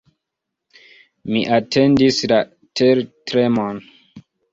Mi atendis la tertremon.